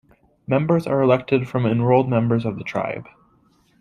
Members are elected from enrolled members of the tribe.